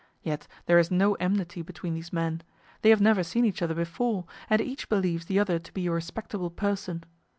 Yet there is no enmity between these men; they have never seen each other before, and each believes the other to be a respectable person.